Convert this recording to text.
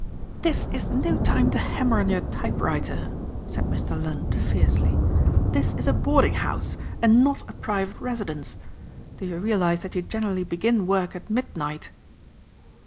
"This is no time to hammer on your typewriter," said Mr. Lund fiercely. "This is a boarding house and not a private residence. Do you realize that you generally begin work at midnight?"